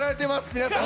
皆さん。